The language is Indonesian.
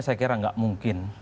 saya kira tidak mungkin